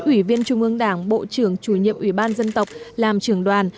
ủy viên trung ương đảng bộ trưởng chủ nhiệm ủy ban dân tộc làm trưởng đoàn